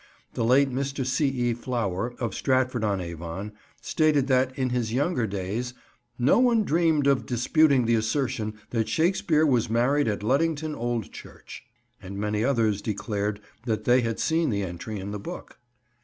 The late Mr. C. E. Flower, of Stratford on Avon, stated that, in his younger days, "no one dreamed of disputing the assertion that Shakespeare was married at Luddington old church"; and many others declared that they had seen the entry in the book.